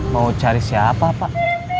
mau cari siapa pak